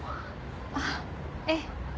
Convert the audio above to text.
あっええ。